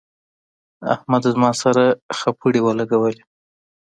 احمد زما سره خپړې ولګولې.